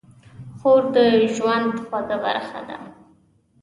خور د ژوند خوږه برخه ده.